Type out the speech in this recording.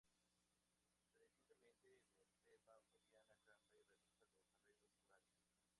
Precisamente en el tema, Fabiana canta y realiza los arreglos corales.